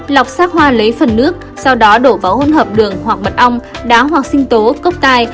lọc sát hoa lấy phần nước sau đó đổ vào hôn hợp đường hoặc mật ong đá hoặc sinh tố cốc tai